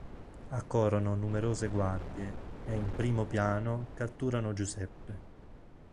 Accorrono numerose guardie e, in primo piano, catturano Giuseppe.